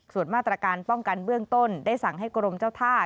ส่วนมาตรการป้องกันเบื้องต้นได้สั่งให้กรมเจ้าท่า